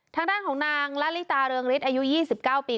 ทางด้านของนางละลิตาเรืองฤทธิ์อายุ๒๙ปี